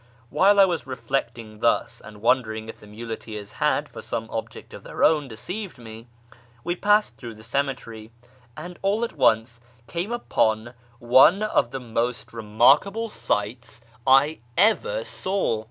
While I was refiecting thus, and wondering if the muleteers had, for some object of their own, deceived me, we passed through the ceme tery, and all at once came upon one of the most remarkable sights I ever saw.